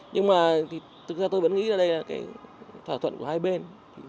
nhưng mà thực ra tôi vẫn nghĩ là đây là cái thỏa thuận của hai bên